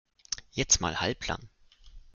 Jetzt mal halblang!